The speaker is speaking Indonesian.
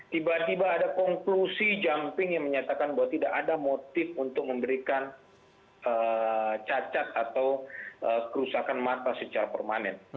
tiba tiba ada konklusi jumping yang menyatakan bahwa tidak ada motif untuk memberikan cacat atau kerusakan mata secara permanen